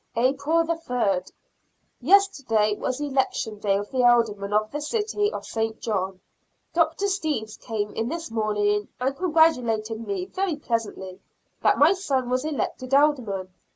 April 3. Yesterday was election day of the Aldermen of the city of St. John. Dr. Steeves came in this morning and congratulated me very pleasantly that my son was elected Alderman.